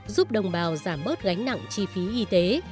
giúp đồng bào giảm bớt gánh nặng chi phí y tế